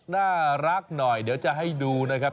น่ารักหน่อยเดี๋ยวจะให้ดูนะครับ